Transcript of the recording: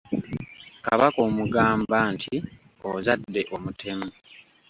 Kabaka omugamba nti ozadde omutemu.